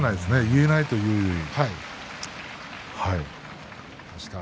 言えないというか。